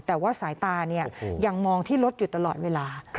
แต่ว่าสายตายังมองที่รถอยู่ตลอดเวลา